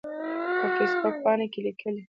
په فیسبوک پاڼه کې کې لیکلي